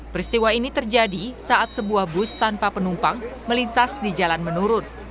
peristiwa ini terjadi saat sebuah bus tanpa penumpang melintas di jalan menurun